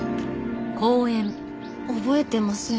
覚えてません。